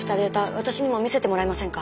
私にも見せてもらえませんか？